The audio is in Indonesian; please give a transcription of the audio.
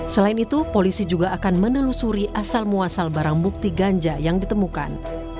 selain itu polisi juga akan menelusuri asal muasal barang bukti ganja yang ditemukan